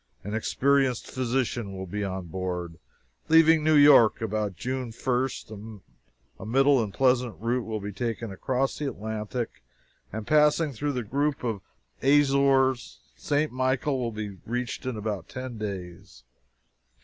An experienced physician will be on board. Leaving New York about June 1st, a middle and pleasant route will be taken across the Atlantic, and passing through the group of Azores, St. Michael will be reached in about ten days.